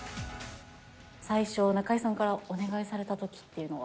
最初、中居さんからお願いされたときっていうのは。